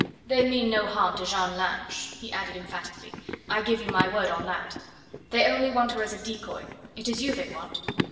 They mean no harm to Jeanne Lange," he added emphatically; "I give you my word on that. They only want her as a decoy. It is you they want.